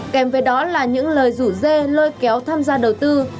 kèm với đó là những lời rủ dê lôi kéo tham gia đầu tư